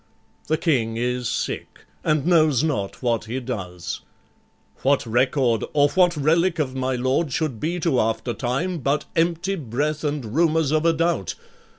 The King is sick, and knows not what he does. What record, or what relic of my lord Should be to after time, but empty breath And rumors of a doubt?